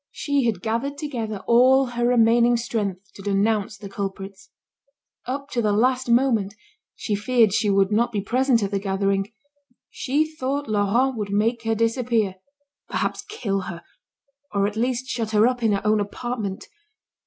She had gathered together all her remaining strength to denounce the culprits. Up to the last moment, she feared she would not be present at the gathering; she thought Laurent would make her disappear, perhaps kill her, or at least shut her up in her own apartment.